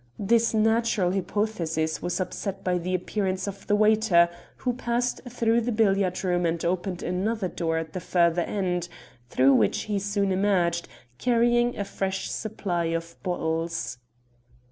This natural hypothesis was upset by the appearance of the waiter, who passed through the billiard room and opened another door at the further end, through which he soon emerged, carrying a fresh supply of bottles.